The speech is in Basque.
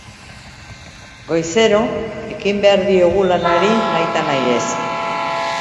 Goizero ekin behar diogu lanari, nahi ta nahiez.